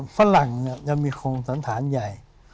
ฝรั่งยังมีโครงสันฐานใหญ่